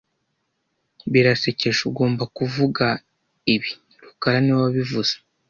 Birasekeje ugomba kuvuga ibi rukara niwe wabivuze